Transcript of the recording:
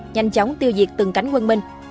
nhanh chóng tiêu diệt từng cánh quân minh